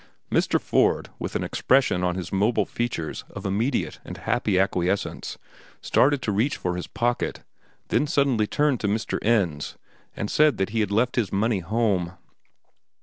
Mr. Ford, with an expression on his mobile features of mediate and happy acquiescence, started to reach for his pocket, then turned suddenly to Mr. Ends, and said that he had left his money home.